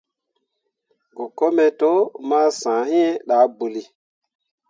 Go kome to, ma sah iŋ daa bǝulli.